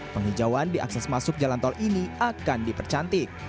penghijauan di akses masuk jalan tol ini akan dipercantik